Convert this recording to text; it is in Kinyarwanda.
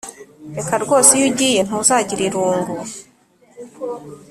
reka rwose iyo ugiye ntuzagira irunguuu